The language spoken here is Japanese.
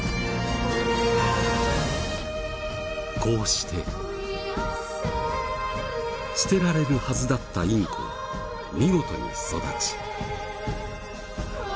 こうして捨てられるはずだったインコは見事に育ち。